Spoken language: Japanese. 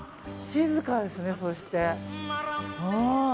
静かですね、そして。